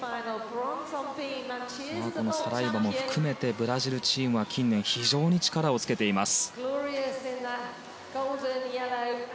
サライバも含めブラジルチームは近年、非常に力をつけています。